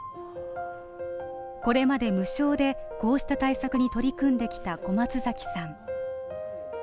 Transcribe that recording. これまで無償でこうした対策に取り組んできた小松崎さん。